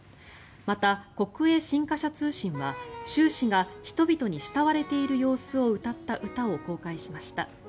また、国営新華社通信は習氏が人々に慕われる様子を歌った歌を公開しました。